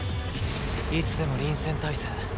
いつでも臨戦態勢。